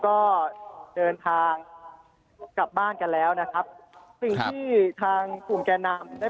ก็เดินทางกลับบ้านกันแล้วนะครับสิ่งที่ทางกลุ่มแก่นำได้